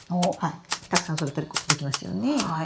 たくさん育てることできますよね。